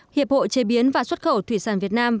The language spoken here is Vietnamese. hiệp hội chế biến và xuất khẩu thủy sản việt nam